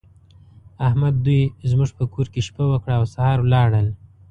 احمد دوی زموږ په کور کې شپه وکړه او سهار ولاړل.